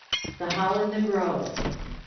The Hall in the Grove.